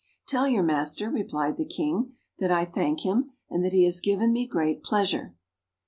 "Tell your master," replied the King, "that I thank him, and that he has given me great pleasure."